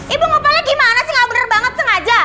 ibu ngapain lagi mana sih gak bener banget sengaja